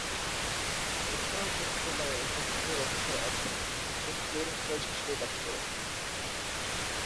এছাড়াও প্রতি তলায় একজন সিনিয়র অফিসার আছেন যিনি ফ্লোর ইন-চার্জ হিসাবে কাজ করেন।